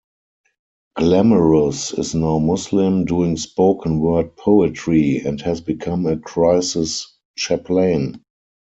Glamorous is now Muslim, doing spoken word poetry, and has become a Crisis Chaplain.